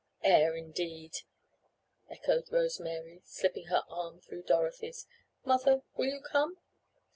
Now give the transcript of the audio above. "Air indeed!" echoed Rose Mary, slipping her arm through Dorothy's. "Mother, will you come?"